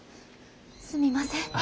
すみません。